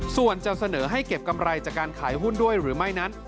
ส่วนจะเสนอให้เก็บกำไรจากการขายหุ้นด้วยหรือไม่นั้น